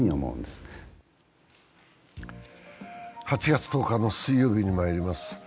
８月１０日水曜日にまいります